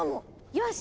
よし！